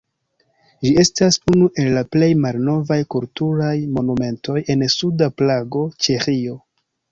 Ĝi estas unu el la plej malnovaj kulturaj monumentoj en suda Prago, Ĉeĥio.